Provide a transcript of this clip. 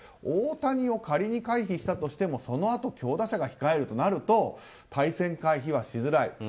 大谷を仮に回避したとしてもそのあと強打者が控えるとなると対戦回避はしづらい。